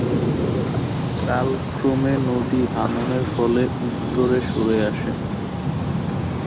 কালক্রমে নদী ভাঙনের ফলে উত্তরে সরে আসে।